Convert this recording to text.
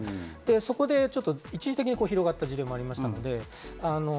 そこで一時的に広がった事例もあります。